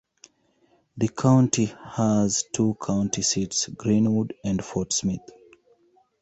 The county has two county seats, Greenwood and Fort Smith.